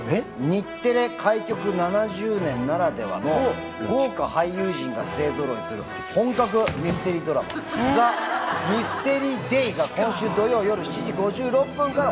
日テレ開局７０年ならではの豪華俳優陣が勢ぞろいする本格ミステリードラマ『ＴＨＥＭＹＳＴＥＲＹＤＡＹ』が今週土曜夜７時５６分から。